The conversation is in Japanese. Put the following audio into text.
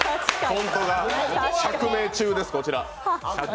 ホントだ、釈明中です、こちら。